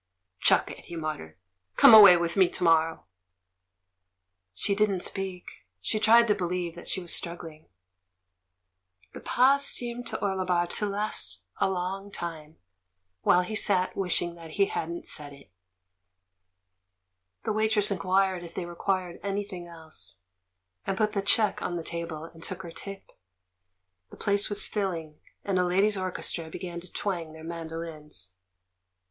"Chuck it!" he muttered; "come away with me to morrow!" She didn't speak; she tried to believe that she was struggling. The pause seemed to Orlebar to last a long time while he sat wishing that he hadn't said it. The w^aitress inquired if they re quired anything else, and put the check on the table, and took her tip. The place was filling, and a ladies' orchestra began to twang their mandolins.